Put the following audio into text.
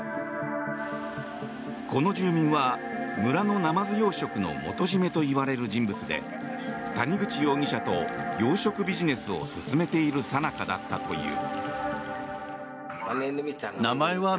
この住民は村のナマズ養殖の元締といわれる人物で谷口容疑者と養殖ビジネスを進めているさなかだったという。